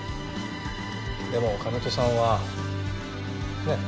でも金戸さんはねえ。